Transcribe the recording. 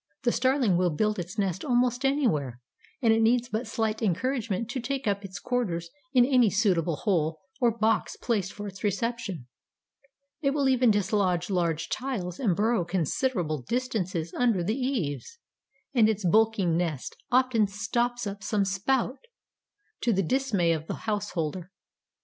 The Starling will build its nest almost anywhere, and it needs but slight encouragement to take up its quarters in any suitable hole or box placed for its reception. It will even dislodge large tiles and burrow considerable distances under the eaves, and its bulky nest often stops up some spout, to the dismay of the householder.